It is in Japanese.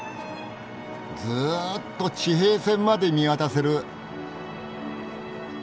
ずっと地平線まで見渡せる。